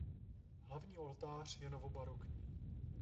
Hlavní oltář je novobarokní.